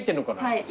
はい。